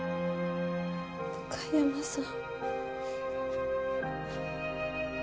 向山さん。